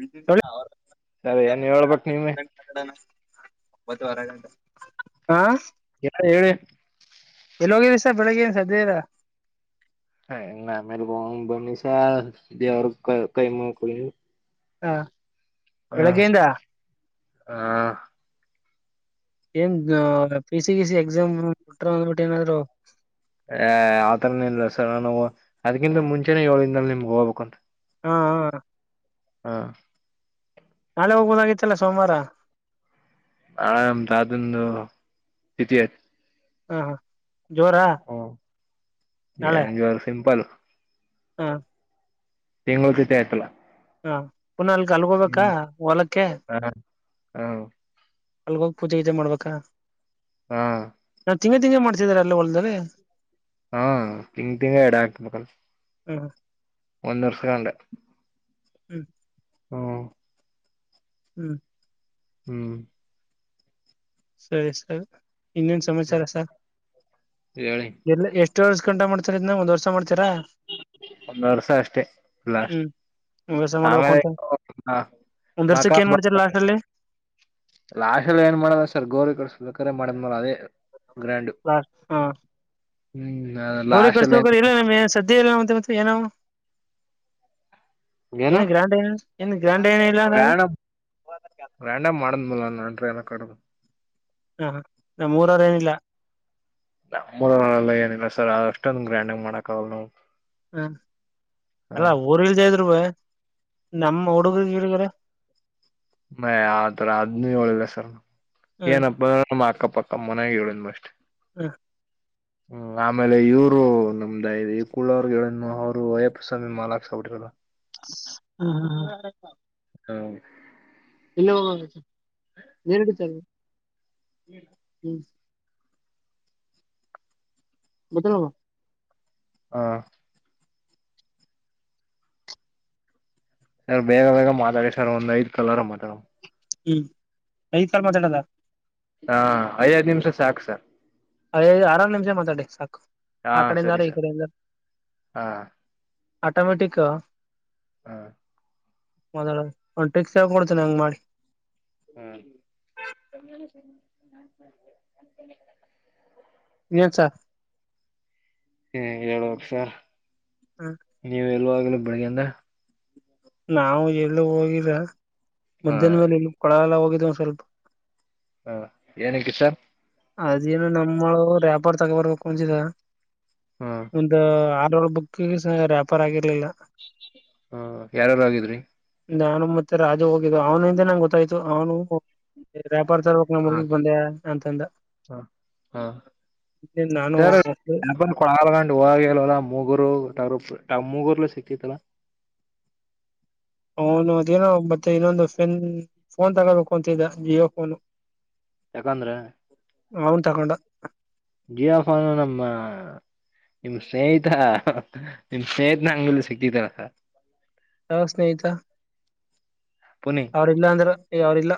ಳ ಸರ್ ಕ ಏನ್ ಹೇಳ್ಬೇಕ್ ನೀವೇ [inaudible] [inaudible] ಬವರ ಹಾ [unintelligible] ಎ ಹೇಳಿ [inaudible] ಎಲ್ಲೋಗಿ ರಸ ಬೆಳಗ್ಗೆ ಸದೆಇಲ ನಾವೆಲ್ಲ ಹೋಗೋಣ ಬನ್ನಿ ಸರ್ [unintelligible] ಹಾ ಬೆಳಗ್ಗೆಯಿಂದ ಆ ಆ ಆ ಎಂದೋ ಫೇಸ್ [unintelligible] ಪಿಯುಸಿ ಎಕ್ಸಾಮ್ ಬಿಡ್ರೋ [unintelligible] ಆ ಆತರನ ಇಲ್ಲ ಸರ್ ನಾನುಅದಕಿಂತ ಮುಂಚೆನೆಏಳ್ ದಿನಧನಿಮ್ಗೆ ಹೋಗ್ಬೇಕುಂತ ಹಾ ಹಾ ಹಾ ನಾಳೆ ಹೋಗಬಹುದಾಗಿತ್ತಲ್ಲ ಸೋಮವಾರ ಅದೇ ನಮ್ ತಾತ ಎಂದು ತಿಥಿ [unintelligible] ಹಾ ಹಾ ಕೋ ಹ ಜ ಸಿಂಪಲ್ [unintelligible] ಹಾ ಟೈಮ್ ಹೋಗುದೆಆಯ್ತಲ್ಲ ಪುನಅಲ್ಗೋಬೇಕಾ ಹೊಲಕ್ಕೆ ಹಾ ಅಲ್ಗೋಗ್ ಪೂಜೆ ಇದೆ ಮಾಡಬೇಕ ಹಾ ತಿಂಗ ತಿಂಗ ಮಾಡ್ತಿದಿದ್ದಾರೆ ಅಲ್ಲಿಹೊಲ್ದಲ್ಲಿ ಹ [inaudible] ಹಾ ತಿಂಗ್ ತಿಂಗ ಎರಡು ಮಕ್ಕಲ್ [unintelligible] ಹ್ಮ್ ಒಂದ್ ವರ್ಷ ಅಂದೆ ಹ್ಮ್ ಹ್ಮ್ ಹ್ಮ್ [inaudible] ಹ್ಮ್ ಸರಿ ಸರಿ ಇನ್ನೆನಸಮಾಚಾರ ಸಾರ್ ಹೇಳಿ ಎಲ್ಎಷ್ಟೂ ಕಂ [unintelligible] ಡಮಾಡ್ತ ಇದನ ಒಂದ್ ವರ್ಸ ಮಾಡ್ತೀರಾ ಒಂದ್ ವರ್ಷ ಅಷ್ಟೇ ಲಾಸ್ ಹ್ಮ್ ಒಂದ್ ವರ್ಷ ಮಾಡ್ಬೇಕು ಆಮೇಲೆ ಅಂತ ಒಂದ್ ವರ್ಷಕ್ಕೆ ಏನ್ ಮ ಮಾಡ್ತೀರಾ ಲಾಸ್ಟ್ ಅಲ್ಲಿ ಲಾಸ್ಲ್ಲಿ ಏನ್ ಮಾಡದಷ್ಟ [inaudible] ಸರ್ ಗೌರಿ ಕಿಸಬೇಕಕರೆ ಮಾಡಿದ ಮೇ ಅದೇ ಗ್ರ್ಯಾಂಡ್ ಹಾ ಹ್ಮ್ ಗೋರಿ ಲಾಸ್ಟ್ ಕರ್ಸ ಅಲ್ಲಿ ಇಲ್ಲ ಸದ [inaudible] ಗೊತ್ತಿಲ್ಲ ಅಂದ್ರೆ ಏನು ಬೇಕಾದರೂ ಏನ್ ಗ್ರಾಂಡ್ ಏನ್ ಗ್ರಾಂಡ್ ಇಲ್ದಂಗ್ ಇದೆ ರ್ಯಾಂಡಮ್ ಬೇರೆ ಕಾರ್ಡ್ ಹಾ ಹಾ [unintelligible] ನಮ್ಮರ ನಲ್ಲ ಏನಿಲ್ಲ ಸರ್ ಆದಷ್ಟ [unintelligible] ಅಷ್ಟೊಂದು ಗ್ರ್ಯಾಂಡ್ ಆಗ ಮಾಡಕ ಆಗಲ್ಲ ನಾವು ಹ್ಮ ಅಲ್ಲ ಹ ಊರ್ಲ್ದೇ ಇದ್ರು ಬ ನಮ್ಮ ಹುಡುಗ್ರ ಗಿಡಗಾರ [unintelligible] ಮ ಆತರ ಅದ್ನು ಹೇಳಿಲ್ಲ ಸರ್ ಹ ಏನಪ್ಪ ನಮ್ಮ ಅಕ್ಕಪ್ಪ [unintelligible] ಪಕ್ಕ ಮನಾಗ ಹೇಳ್ ಮಷ್ಟಟ್ [inaudible] ಹ್ಮ [unintelligible] ಹ್ಮ್ ಆಮೇಲೆ ಇವರು ನಮ್ದ ಇ ಈ ಕುಳ್ಳವಗೆ ಅವರು ವಯಪಸಂದ ಮಾಲಾಕ್ಸಬಿಟ್ಟಿರಲ್ಲ ಹಾ ಹಾ ಹ [unintelligible] ಹಾ [unintelligible] ಇಲ್ಲನ್ ಹ್ಮ್ [unintelligible] ಬದ ನವ [unintelligible] ಹಾ [unintelligible] ಸರ್ ಬೇಗ ಬೇಗ ಮಾತಾಡ ಸರ್ ಒಂದ ಐದ್ ಕಲರ್ ಮಾತಾಡ ಹ್ಮ್ ಐದ್ ಕಾಲ್ ಮಾತಾಡದ ಹಾ ಐದ್ ನಿಮಿಷ ಸಾಕು ಸರ್ [unintelligible] ಅದದು ಆರಾಮ ನಿಮಿಷ ಮಾತಾಡಿ ಸಾಕು [unintelligible] ಹಾ ಆ ಕಡೆ ಅಂದಾರ ಸರಿ ಈ ಸರ್ ಕಡೆ ಅಂದ ಹಾ ಆಟೋಮೆಟಿಕ ಹ್ಮ [unintelligible] ಮೊದಲ ಒ ಟಕ್ಸ್ ಕೊಡ್ತೇನೆ ಹೆಂಗ್ ಮಾಡಿ [unintelligible] ಹ್ಮ [inaudible] ಹ್ಮ ಏನ್ ಸರ್ ಹೇಳ ಅ [unintelligible] ನೀವು ಎಲ್ಗ [unintelligible] ಚ [unintelligible] ಬಳಗಿಂದ [inaudible] ನಾವು ಎಲ್ಲ ಹೋಗರ [unintelligible] ಹ ಮಧ್ಯಾಹ್ನೇದಲ್ಲಿ ಇ ಕೊಳ ಎಲ್ಲ ಹೋಗಿದ ಕಲ್ಬ [inaudible] ಹಾ ನಕ್ಕೆ ಸರ್ [unintelligible] ಅದೇನು ನಮ್ಮಳ ರ [unintelligible] ಬರ್ ತಗ ಬರ್ಬೇಕು ಮುಂಜಿದ ಹಾ ಒಂದು ಆರಳ್ ಬುಕ್ [unintelligible] ಗ ವ್ಯಾಪಾರ ಆಗಿರ್ಲಿಲ್ಲ ಹ ಯಾರಾರು ಆಗಿದ್ರಿ ನಾನು ಮತ್ತೆ ರಾಜು ಹೋಗಿದ್ದ ಅವನ ಹಿಂದೆ ನಂಗೆ ಗೊತ್ತಾಯ್ತು ಅವನು ರ್ಯಾಪರ್ ತರಬೇಕಕ್ ನಮ್ಮ ಹಾ ಹುಡ್ಗಿಗ್ ಬಂದೆ ಅಂತಂದ ಹ ಹಾ ನಾನು ಸರಿಳಲ್ಡು ಹಾಗಲ್ವಲ್ಲ ಮೂಗುರುಟ [unintelligible] [unintelligible] ಮುಗರ್ಲ್ಲ ಸಿಕ್ತಿಲ್ಲ ಅವನು ಅದೇನೋ ಮತ್ತೆ ಇನ್ನೊಂದು ಫೆನ್ ಫೋನ್ ತಗೋಬೇಕು ಅಂತಿದೆ ಜಿಯೋ ಫೋನ್. ಯಾಕಂದ್ರೆ ಅವನ್ ತಗೊಂಡ ಜಿಯಫೋನ್ ನಮ್ಮ. ನಿಮ್ ಸ್ನೇಹಿತ ನಿಮ್ ಸ್ನೇಹಿತ ನಂಗಲ್ಲ ಸಿಕ್ತಿದ್ದ. ಯಾವ ಸ್ನೇಹಿತ ಪುನಿ ಅವ್ರಲ್ಲಾ ಅಂದ್ರು ಅವ್ರಲ್ಲ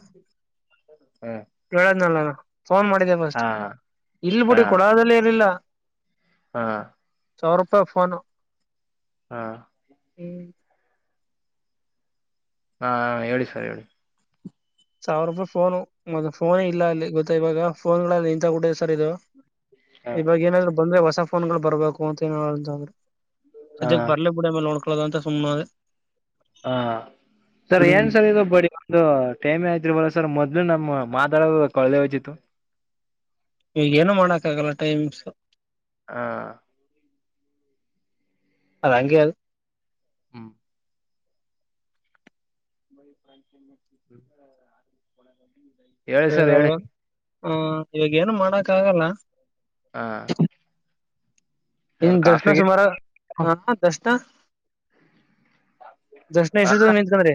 ಹ ಹೇಳದ್ನಲ್ಲ ಫೋನ್ ಮಾಡಿದೆೆ ಹಾ ಫಸ್ಟ್ ಇಲ್ ಹಾ ಬಿುಡಿ ಕೊಡದಲ್ಲಿ ಏನಿಲ್ಲ. ಹಾ ಸಾವ ರೂಪಾಯಿ ಫೋನು. ಹಾ ಹ್ಮ್ ಹಾ ಹೇಳಿ ಸರ್ ಹೇಳಿ. ಸಾವಿರ ರೂಪಾಯಿ ಫೋನು. ಮದ್ ಫೋನ ಇಲ್ಲ ಅಲ್ಲಿ ಗೊತ್ತ ಇವಾಗ. ಫೋನ್ಗಳಲ್ಲಿ ಇಂತ ಗುಡ್ಡ ಸರ್ ಇದು. ಹ ಇವಾಗ ಏನಾದ್ರು ಬಂದ್ರೆ ಹೊಸ. ಫೋನ್ ಗಳು ಬರ್ಬೇಕು ಅಂತ ಏನ್ [unintelligible] ಹಾ ಸದ್ಯಕ್ಕೆ ಬರ್ಲೇ ಬಿಡ ಮೇಲೆ ನೋಡ್ [unintelligible] ಹಾ ಸರ್ ಏನ್ ಸರ್ ಇದು ಬಡಿ ಒಂದು ಟೈಮ ಆಆ [unintelligible] ಸರ್ ಮೊದ್ಲು ನಮ್ಮ ಮಾದಾಡ [unintelligible] ಈ ಏನು ಮಾಡೋಕ್ ಆಗಲ್ಲ. ಟೈಮ್ಸ್ ಹಾ [unintelligible] ಅದಂಗೆ ಹಾ [unintelligible] [unintelligible] ಹೇಳಿ ಸರ್ ಇವಾಗ ಹೇಳಿ ಹ ಇವಾಗ ಏನು ಮಾಡಕ್ ಆಗಲ್ಲ ಹಾ [unintelligible] ಇನ್ ಸರ್ ದರ್ಶನ ಕಾಫಿಗೆ ಸುಮಾರ ಹ ದರ್ಶನ [unintelligible] ಹ ನಿಂತಕೊಂಡ್ರೆ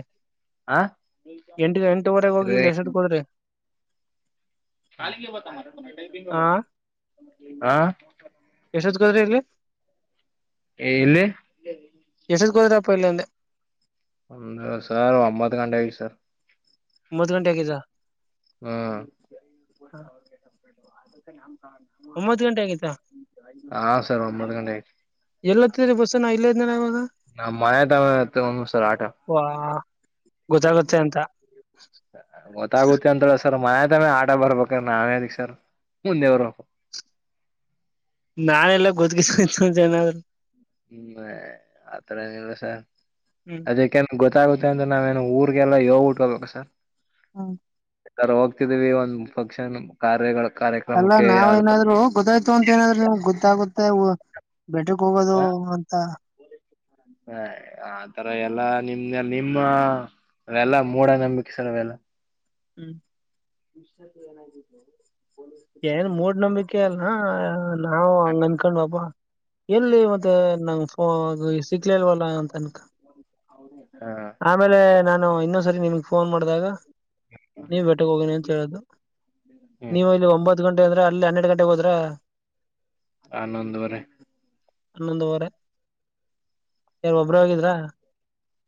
ಹ ಎಂಟ ಎಂಟವರೆಗೆ ಹೋಗಿ ಇಲ್ಲಿ [unintelligible] ಹೋದ್ರೆ ಹಾ [unintelligible] ಹ [unintelligible] [unintelligible] ಇಲ್ಲಿ ಹೋಗಿದ್ರಪ್ಪ ಇಲ್ಲಿ ಅಂದೆ ಒಂದು ಸರ್ ಒಂಬತ್ ಗಂಟೆ ಆಗಿತ್ ಸರ್ ಒಂಬತ್ ಗಂಟೆ ಆಗಿದಾ ಹ್ಮ್ ಒಂಬತ್ ಗಂಟೆ ಆಗಿತ್ತಾ ಹಾ ಹಾ ಸರ್ ಒಂಬತ್ ಗಂಟೆ ಆಗ್ ಎಲ್ಲತ್ತುದ್ರಿ ಬಸ್ಸು ನಾನ್ ಇಲ್ಲೇ ಇದ್ನಲ್ಲ ಹೌದು ನ ಮಯದಾವ ಒಂದು ಸರ ಆಟ ವಾ ಗೊತ್ತಾಗುತ್ತೆ [unintelligible] ಅಂತ ಗೊತ್ತಾಗುತ್ತೆ ಅಂತ ಸರ್ ಮನೆ ತವೆ ಆಟ ಬರ್ಬೇಕ್ ಅಂದ್ರೆ ನಾವ್ ಎಂದಿಕ್ ಸರ್ ಮುಂದೆವ್ರು ಹ ನಾನೆಲ್ಲೊ [unintelligible] ಏನಾದ್ರು ಹ್ಮ್ ಆತರ ಏನು ಇಲ್ಲಾ ಸರ್ ಹ್ಮ್ ಅದಕ್ಕೆ ಗೊತ್ತ ಗೊತ್ತಾಗುತ್ತೆ ಅಂದ್ರೆ ನಾವೇನು ಊರ್ಗೆಲ್ಲ ಹೇಳ್ಬುಟ್ ಹೋಗಣ ಸರ್ ಹ್ಮ ಈ ತರ ಹೋಗ್ತಿದೀವಿ ಒಂದ್ ಫಂಕ್ಷನ್ ಕಾರ್ಯಗಳು ಅಲ್ಲ ನಾವ್ ಏನಾದ್ರು ಗೊತ್ತಾಯ್ತು ಅಂತ ಏನಾದ್ರು ನಿಮ್ಗೆ ಗೊತ್ತಾಗುತ್ತ ತ್ತೆ ವು ಬೆಟಕ್ ಹೋಗೋದು ಅಂತ ಹಯ್ ಆತರ ಎಲ್ಲಾ ನಿಮ್ನೆ ನಿಮ್ಮ ಅವ್ ಎಲ್ಲ ಮೂಡ ನಂಬಿಕೆ ಸರ್ ಅವೆಲ್ಲ ಹ್ಮ್ ವಿಶಕ್ಕೆನ [inaudible] ಏನ್ ಮೂಡ್ ನಂಬಿಕೆ ಅಲ್ಲ ಹಾ ನಾವು ಅಂಗನ್ಕನ್ಡ್ವಪ ಎಲ್ಲಿ ಮತ್ತೆ ನನ್ ಫೋನ್ ಸಿಕ್ಲಿಲ್ವಲ್ಲ ಅಂತನ್ಕ ಹ ಆಮೇಲೆ ನಾನು ಇನ್ನೊ ಸರಿ ನಿಮ್ಗ್ ಫೋನ್ ಮಾಡ್ದಾಗ ನೀವ್ ಬೆಟಕ್ ಹೋಗನಿ ಅಂತ ಹೇಳುದು ಹ್ಮ್ ನೀವ್ ಅದು ಅಂದ್ರೆ ಅಲ್ ಹನ್ನೆರ್ಡ್ ಗಂಟೆಗೆ ಹೋದ್ರ ಹನ್ನೊಂದುವರೆ ಹಾನೊಂದುವರೇ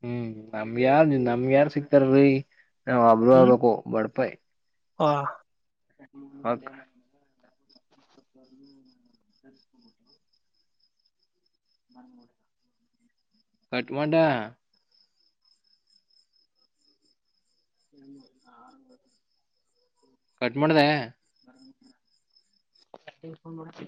ಹ್ಮ್ ನಮ್ಗೆ ಯಾರ್ ನಮ್ಗೆ ಯಾರ್ ಸಿಕ್ತಾರೀ ನಾವ್ ಒಬ್ರುೂ ಆಬೇಕು ಬಡ್ಪಾಯಿ ಹಾ [unintelligible] ಹ [unintelligible] ಮ ಮೂ [unintelligible] [unintelligible] ಕಟ್ ಮಾಡಿದೆ